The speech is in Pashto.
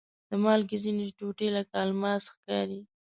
د مالګې ځینې ټوټې لکه الماس ښکاري.